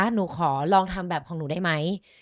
หนูขอลองทำแบบของหนูได้ไหม